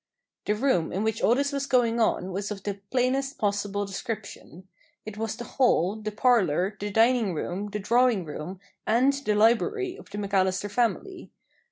The room in which all this was going on was of the plainest possible description. It was the hall, the parlour, the dining room, the drawing room, and the library of the McAllister Family.